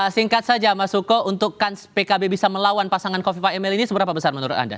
singkat saja mas suko untuk pkb bisa melawan pasangan kofifa emil ini seberapa besar menurut anda